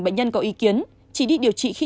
bệnh nhân có ý kiến chỉ đi điều trị khi